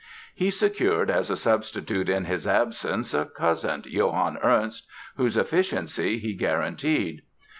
He secured as a substitute in his absence a cousin, Johann Ernst, whose efficiency he guaranteed.